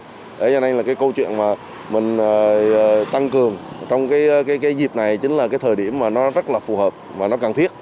thế cho nên là cái câu chuyện mà mình tăng cường trong cái dịp này chính là cái thời điểm mà nó rất là phù hợp và nó cần thiết